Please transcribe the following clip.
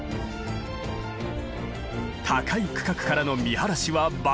高い区画からの見晴らしは抜群。